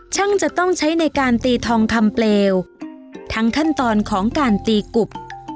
ช่างจะต้องใช้ในการตีทองคำเปลวทั้งขั้นตอนของการตีกุบ